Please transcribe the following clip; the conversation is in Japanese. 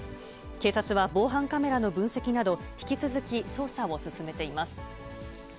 警察は防犯カメラの分析など、引き続き捜査を進めています。